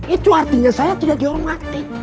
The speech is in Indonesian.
itu artinya saya tidak dihormati